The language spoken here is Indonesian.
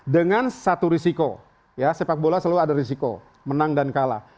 dengan satu risiko sepak bola selalu ada risiko menang dan kalah